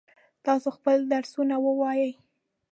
تاسو خپل درسونه ووایئ.